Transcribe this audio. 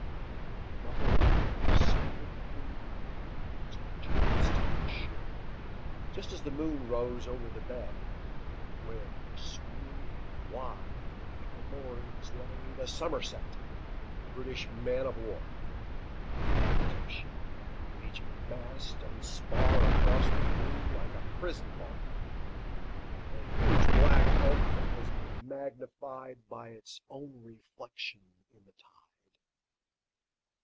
and with muffled oar Silently rowed to the Charlestown shore, Just as the moon rose over the bay, Where swinging wide at her moorings lay The Somerset, British man of war; A phantom ship, with each mast and spar Across the moon like a prison bar, And a huge black hulk, that was magnified By its own reflection in the tide.